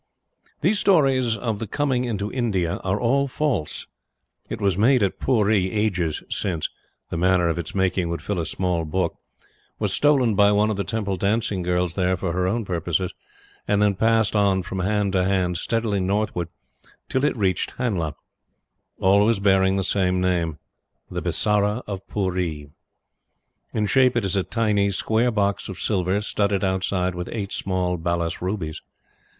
These stories of the coming into India are all false. It was made at Pooree ages since the manner of its making would fill a small book was stolen by one of the Temple dancing girls there, for her own purposes, and then passed on from hand to hand, steadily northward, till it reached Hanla: always bearing the same name the Bisara of Pooree. In shape it is a tiny, square box of silver, studded outside with eight small balas rubies.